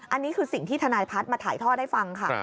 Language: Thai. อันนี้คือสิ่งที่ทนายพัฒน์มาถ่ายทอดให้ฟังค่ะ